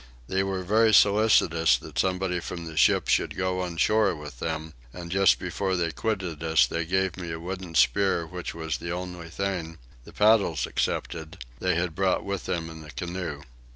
They were very solicitous that somebody from the ship should go on shore with them, and just before they quitted us they gave me a wooden spear which was the only thing, the paddles excepted, they had brought with them in the canoe.